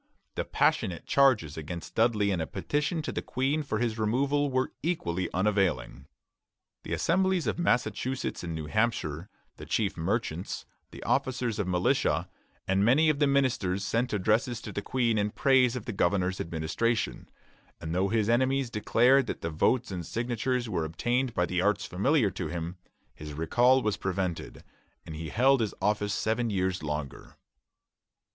The passionate charges against Dudley and a petition to the Queen for his removal were equally unavailing. The Assemblies of Massachusetts and New Hampshire, the chief merchants, the officers of militia, and many of the ministers sent addresses to the Queen in praise of the governor's administration; and though his enemies declared that the votes and signatures were obtained by the arts familiar to him, his recall was prevented, and he held his office seven years longer.